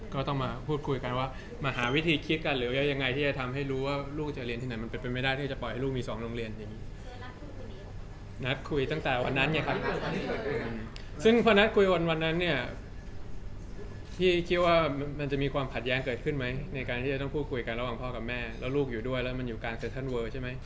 ก็ต้องมาพูดคุยกันว่ามาหาวิธีคิดกันหรือว่ายังไงที่จะทำให้รู้ว่าลูกจะเรียนที่ไหนมันเป็นไปไม่ได้ที่จะปล่อยให้ลูกมีสองโรงเรียนอย่างนี้นัดคุยตั้งแต่วันนั้นเนี่ยครับซึ่งพอนัดคุยวันนั้นเนี่ยพี่คิดว่ามันจะมีความขัดแย้งเกิดขึ้นไหมในการที่จะต้องพูดคุยกันระหว่างพ่อกับแม่แล้วลูกอยู่ด้วยแล้วมันอยู่การเซ็นทรัลเวอร์ใช่ไหม